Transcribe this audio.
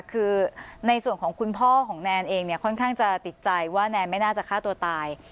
คือในส่วนของคุณพ่อของแนนเองเนี่ยค่อนข้างจะติดใจว่าแนนไม่น่าจะฆ่าตัวตาย